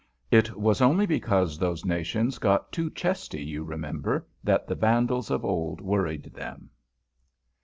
It was only because those nations got too chesty, you remember, that the Vandals of old worried them.